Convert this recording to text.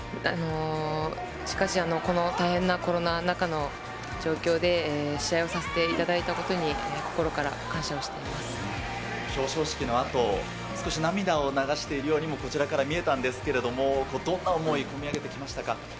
しかし、この大変なコロナ中の状況で試合をさせていただいたことに、表彰式のあと、少し涙を流しているようにも、こちらから、見えたんですけれども、どんな思い、込み上げてきましたか？